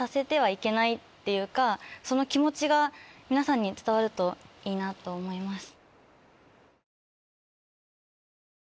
その気持ちが皆さんに伝わるといいなと思います。